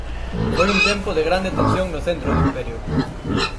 Foi un tempo de grande tensión no centro do imperio.